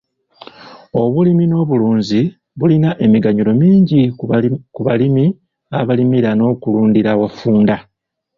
Obulimi n'obulunzi bulina emiganyulo mingi kubalimi abalimira n'okulundira awafunda.